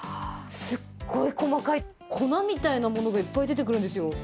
すっごい細かい粉みたいなものがいっぱい出てくるんですよ。